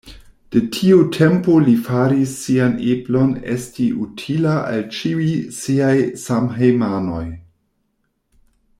De tiu tempo li faris sian eblon esti utila al ĉiuj siaj samhejmanoj.